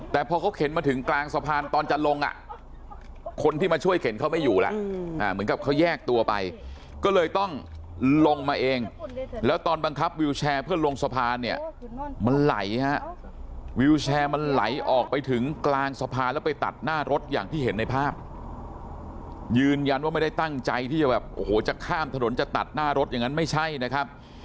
แต่พอเขาเข็นมาถึงกลางสะพานตอนจะลงอ่ะคนที่มาช่วยเข็นเขาไม่อยู่แล้วเหมือนกับเขาแยกตัวไปก็เลยต้องลงมาเองแล้วตอนบังคับวิวแชร์เพื่อลงสะพานเนี่ยมันไหลฮะวิวแชร์มันไหลออกไปถึงกลางสะพานแล้วไปตัดหน้ารถอย่างที่เห็นในภาพยืนยันว่าไม่ได้ตั้งใจที่จะแบบโอ้โหจะข้ามถนนจะตัดหน้ารถอย่างนั้นไม่ใช่นะครับ